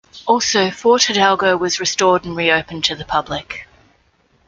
Also, Fort Hidalgo was restored and reopened to the public.